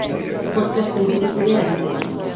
Podcastei buruz ere aritu gara.